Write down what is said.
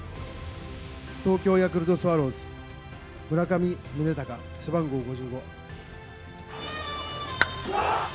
東京ヤクルトスワローズ、村上宗隆、背番号５５。